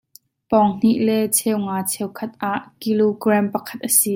Pawng hnih le cheunga cheukhat ah kilogram pakhat a si.